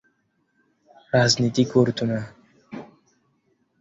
রাজনীতি করতো না।